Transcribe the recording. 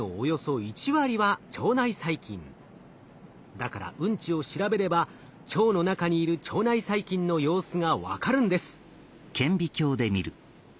だからうんちを調べれば腸の中にいる腸内細菌の様子が分かるんです。